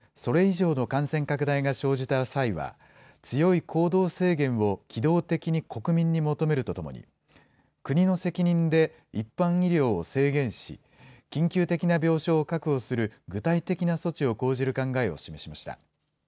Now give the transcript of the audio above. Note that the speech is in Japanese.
都道府県と連携して、病床の確保計画の策定を進めるほか、それ以上の感染拡大が生じた際は、強い行動制限を機動的に国民に求めるとともに、国の責任で一般医療を制限し、緊急的な病床を確保する具体的な措置を講じる考えを示しました。